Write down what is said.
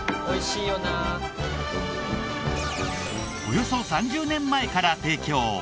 およそ３０年前から提供。